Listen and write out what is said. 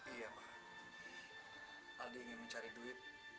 iya maaf ada yang mencari duit